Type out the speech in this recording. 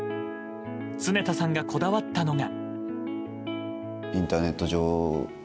常田さんがこだわったのが。